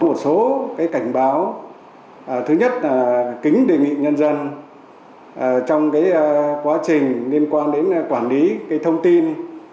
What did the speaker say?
một số cảnh báo thứ nhất là kính đề nghị nhân dân trong quá trình liên quan đến quản lý thông tin